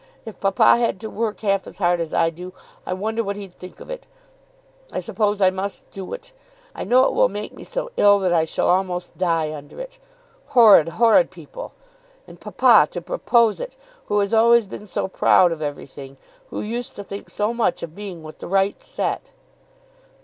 If papa had to work half as hard as I do, I wonder what he'd think of it. I suppose I must do it. I know it will make me so ill that I shall almost die under it. Horrid, horrid people! And papa to propose it, who has always been so proud of everything, who used to think so much of being with the right set."